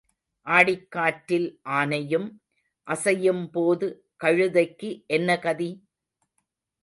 ஆடிக் காற்றில் ஆனையும் அசையும் போது கழுதைக்கு என்ன கதி?